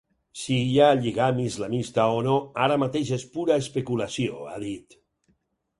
Si hi ha lligam islamista o no, ara mateix és pura especulació, ha dit.